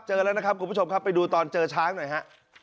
เจอแล้วนะครับคุณผู้ชมครับไปดูตอนเจอช้างหน่อยฮะ